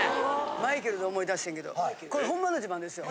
マイケルで思い出してんけどこれホンマの自慢ですよ。